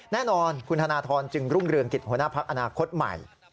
แน่นอนคุณธนทรจึงรุ่งเรืองกิจหัวหน้าพักอนาคตใหม่